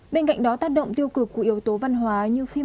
bên cạnh đó tác động tiêu cực của yếu tố văn hóa như phim